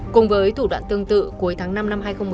cùng với thủ đoạn tương tự cuối tháng năm năm hai nghìn một mươi chín